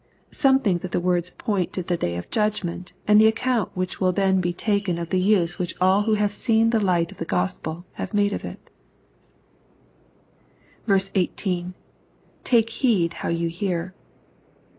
Some think that the words point to the day of judgment, and the account which will then be taken of the use which all who have seen the light of the Gospel have made of it 18. — [Take heed how ye hear.